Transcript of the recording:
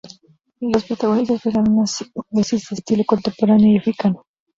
Los protagonistas bailan una simbiosis de estilo contemporáneo y africano.